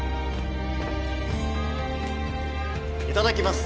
いただきます